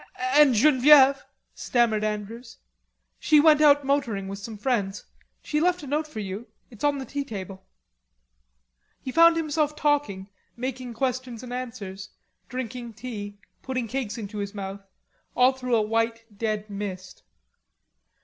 "And Genevieve?" stammered Andrews. "She went out motoring with some friends. She left a note for you. It's on the tea table." He found himself talking, making questions and answers, drinking tea, putting cakes into his mouth, all through a white dead mist.